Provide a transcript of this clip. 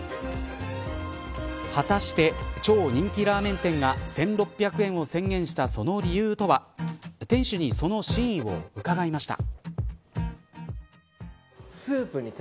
果たして超人気ラーメン店が１６００円を宣言したその理由とは店主にその真意を伺いました。